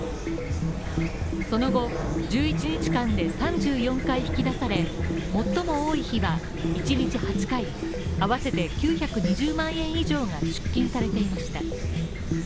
その後、１１日間で３４回引き出され、最も多い日は一日８回、合わせて９２０万円以上が出金されていました。